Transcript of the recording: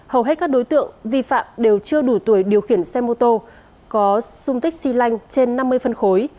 hầu hết các đối tượng vi phạm đều chưa đủ tuổi điều khiển xe mô tô có sung tích xy lanh trên năm mươi phân khối